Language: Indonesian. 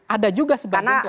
ada juga sebagian ke mas ganjar